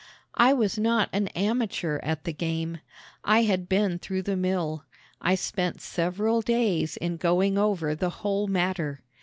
I was not an amateur at the game. I had been through the mill. I spent several days in going over the whole matter.